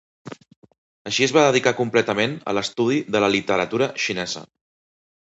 Així es va dedicar completament a l'estudi de la literatura xinesa.